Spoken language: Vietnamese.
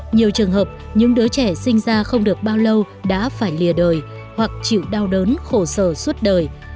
nhiều trường hợp những đứa trẻ sinh ra không được bao lâu đã phải lìa đời hoặc chịu đau đớn khổ sở suốt đời